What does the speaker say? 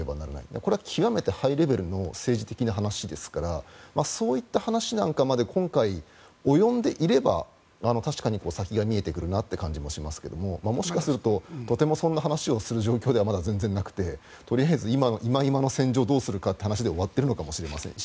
これは極めてハイレベルの政治的な話ですからそういった話なんかまで今回、及んでいれば確かに先が見えてくるなという感じもしますがもしかするととてもそんな話をする状況ではまだ全然なくてとりあえず今の戦場をどうするかという話で終わってるかもしれませんし。